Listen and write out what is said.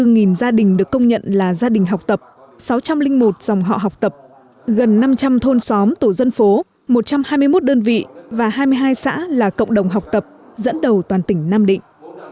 các cấp ủy hải hậu đã được công nhận là gia đình học tập sáu trăm linh một dòng họ học tập gần năm trăm linh thôn xóm tổ dân phố một trăm hai mươi một đơn vị và hai mươi hai xã là cộng đồng học tập dẫn đầu toàn tỉnh nam định